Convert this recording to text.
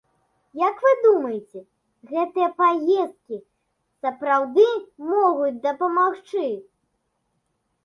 Як вы думаеце, гэтыя паездкі сапраўды могуць дапамагчы?